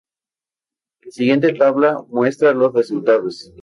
La siguiente tabla muestra los resultados.